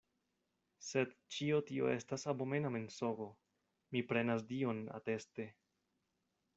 Sed ĉio tio estas abomena mensogo; mi prenas Dion ateste.